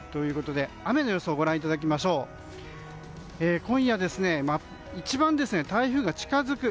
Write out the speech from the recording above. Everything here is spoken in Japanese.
雨の予想をご覧いただきますと今夜、一番台風が近づく。